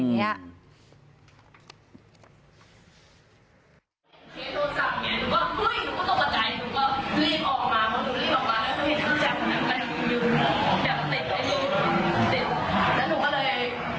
ไปแจ้งหน้าเขาเลยแจ้งข้างหน้าแล้วก็รีบมาแดด